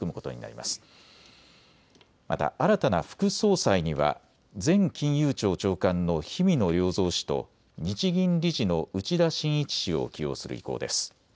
また、新たな副総裁には、前金融庁長官の氷見野良三氏と、日銀理事の内田眞一氏を起用する意向です。